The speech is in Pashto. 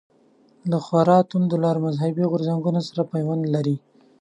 له خورا توندلارو مذهبي غورځنګونو سره پیوند لري.